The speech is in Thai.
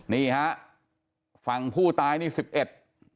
นี่ฮะฝั่งผู้ตายนี่สิบเอ็ด